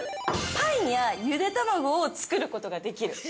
パンやゆで卵を作ることができる。